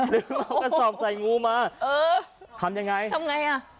ลืมเอากระสอบใส่งูมาเออทำยังไงทำไงอ่ะ